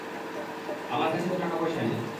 আমার কাছে তো টাকাপয়সা নেই।